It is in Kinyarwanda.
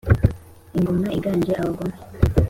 ingoma iganje abagome.